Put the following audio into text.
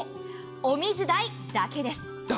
お水代だけです。